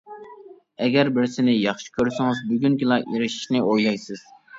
ئەگەر بىرسىنى ياخشى كۆرسىڭىز، بۈگۈنگىلا ئېرىشىشنى ئويلايسىز.